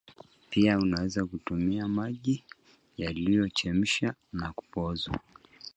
pia unaweza tumia maji yaliyochemshwa na kupozwa